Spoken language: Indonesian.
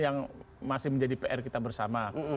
yang masih menjadi pr kita bersama